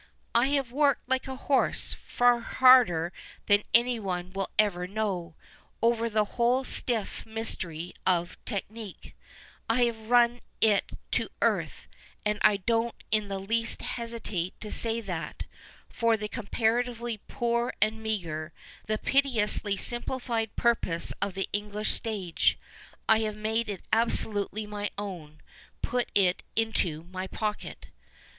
" I have worked like a horse — far harder than any one will ever know — over the whole stiff mysterj' of ' technique '— I have run it to earth, and I don't in the least hesitate to say that, for the comparatively poor and meagre, the pitcously simjilificd purposes of the English stage, I have made it absolutely my own, put it into my pocket."